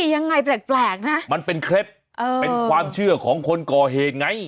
อย่างไงแปลกนะมันเป็นเคล็ดความเชื่อของคนก่อเหง่าย